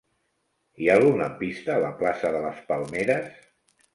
Hi ha algun lampista a la plaça de les Palmeres?